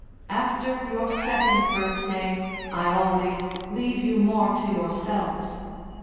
"After your second birthday I always leave you more to yourselves.